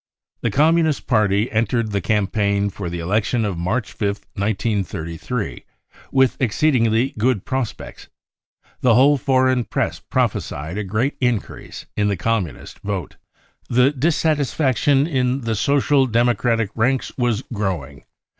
The Communist Party entered the campaign for the election of March 5th, 1933, with exceedingly good prospects ; the whole foreign Press prophesied a great increase in the Communist vote. The dissatisfaction in the Social Democratic ranks was growing.